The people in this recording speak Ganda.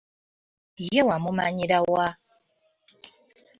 Ye wamumanyira wa?